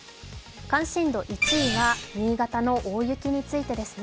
関心度１位は新潟の大雪についてですね。